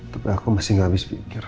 tapi aku masih gak habis pikir